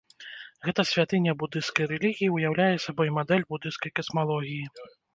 Гэта святыня будысцкай рэлігіі ўяўляе сабой мадэль будысцкай касмалогіі.